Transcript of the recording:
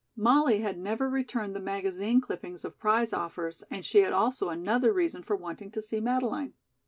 Molly had never returned the magazine clippings of prize offers, and she had also another reason for wanting to see Madeleine.